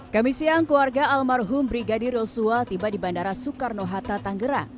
kami siang keluarga almarhum brigadir yosua tiba di bandara soekarno hatta tanggerang